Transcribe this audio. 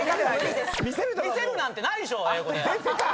「見せる」なんてないでしょ